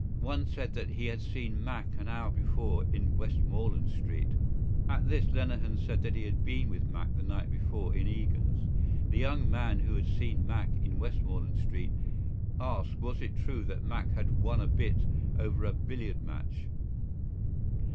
One said that he had seen Mac an hour before in Westmoreland Street. At this Lenehan said that he had been with Mac the night before in Egan's. The young man who had seen Mac in Westmoreland Street asked was it true that Mac had won a bit over a billiard match.